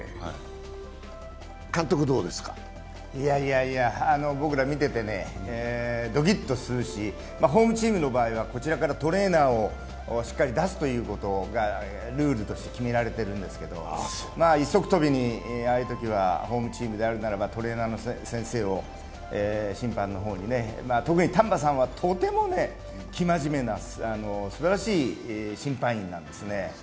いやいや、僕ら見ててドキッとするし、ホームチームの場合はこちらからトレーナーをしっかり出すということがルールとして決められているんですけど、一足飛びにああいうときはホームチームであるならば、トレーナーの先生を審判の方に、特に丹波さんは、とても生真面目なすばらしい審判員なんですね。